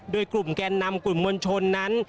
โดยกลุ่มแกนนำกลุ่มมวลชนนั้น